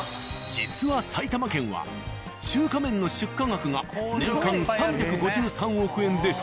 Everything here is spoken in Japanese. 実は埼玉県は中華麺の出荷額が年間３５３億円で日本一。